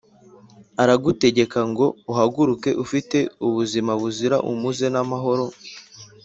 ” Aragutegeka ngo uhaguruke ufite ubuzima buzira umuze n’amahoro.